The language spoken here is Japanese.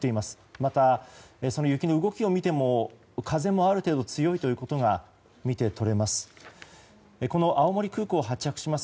また、その雪の動きを見ても風もある程度強いということが見て取れます。